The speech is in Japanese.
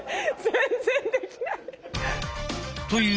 全然できない。